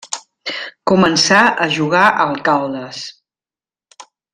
Començà a jugar al Caldas.